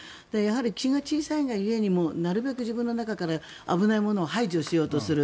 気が小さいが故になるべく自分の中から危ないものを排除しようとする。